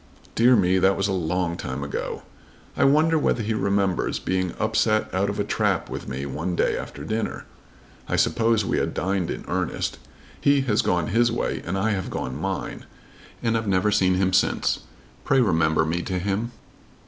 Dear me, that was a long time ago. I wonder whether he remembers being upset out of a trap with me one day after dinner. I suppose we had dined in earnest. He has gone his way, and I have gone mine, and I've never seen him since. Pray remember me to him."